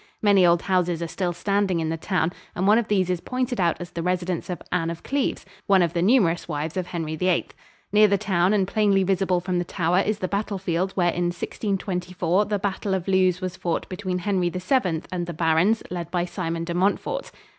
Many old houses are still standing in the town and one of these is pointed out as the residence of Anne of Cleves, one of the numerous wives of Henry VIII. Near the town and plainly visible from the tower is the battlefield where in 1624 the Battle of Lewes was fought between Henry VII and the barons, led by Simon de Montfort.